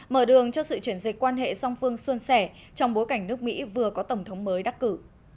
mở đường cho sự chuyển dịch quan hệ song phương xuân sẻ trong bối cảnh nước mỹ vừa có tổng thống mới đắc cử